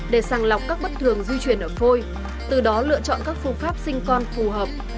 để sàng lọc các bất thường di chuyển ở phôi từ đó lựa chọn các phương pháp sinh con phù hợp